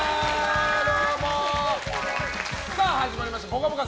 始まりました「ぽかぽか」